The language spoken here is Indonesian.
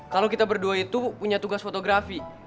kalau kita berdua itu punya tugas fotografi